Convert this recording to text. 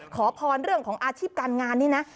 ขอพรเรื่องของอาชีพการงานนี่นะ